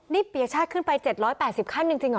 นี่ปียชาติขึ้นไป๗๘๐ขั้นจริงเหรอ